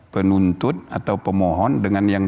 penuntut atau pemohon dengan yang